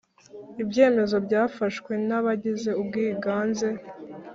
Ibyemezo byafashwe n’ abagize ubwiganze